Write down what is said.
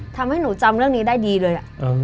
ทำให้หนูจำเรื่องนี้ได้ดีเลย